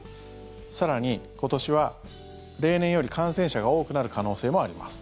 更に、今年は例年より感染者が多くなる可能性もあります。